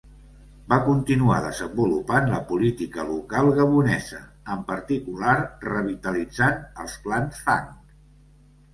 Va continuar desenvolupant la política local gabonesa, en particular revitalitzant els clans Fang.